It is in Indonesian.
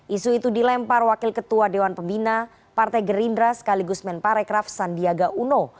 isu itu dilempar wakil ketua dewan pembina partai gerindra sekaligus menparekraf sandiaga uno